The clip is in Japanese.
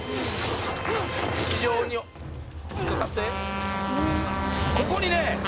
「地上に引っかかってここにね」